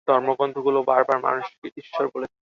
ধর্মগ্রন্থগুলোও বারবার মানুষকে ঈশ্বর বলেছে।